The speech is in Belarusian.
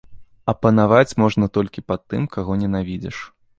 А панаваць можна толькі пад тым, каго ненавідзіш.